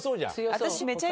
私。